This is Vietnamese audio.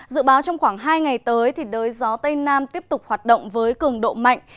dự báo trong khoảng hai ngày tới đới gió tây nam tiếp tục hoạt động với cường độ mạnh